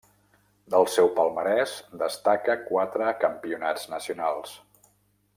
Del seu palmarès destaca quatre Campionats nacionals.